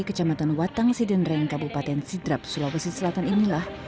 kecamatan watang sidenreng kabupaten sidrap sulawesi selatan inilah